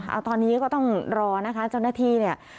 เอาตอนนี้ก็ต้องรอนะคะเจ้าหน้าที่เนี่ย